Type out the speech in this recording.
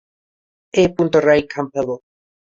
E. Ray Campbell.